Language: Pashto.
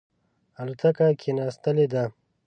الوتکه کښېنستلې ده.